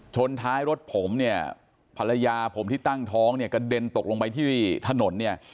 ท้ายรถผมเนี่ยภรรยาผมที่ตั้งท้องเนี่ยกระเด็นตกลงไปที่ถนนเนี่ย